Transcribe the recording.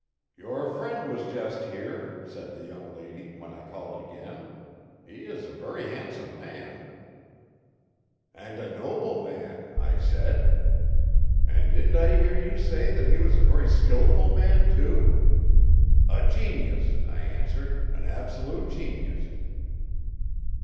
"Your friend was just here," said the young lady, when I called again. "He is a very handsome man." '"And a noble man!" I said. '"And didn't I hear you say that he was a very skilful man, too?" '"A genius!" I answered, "an absolute genius!"